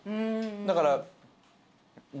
だから。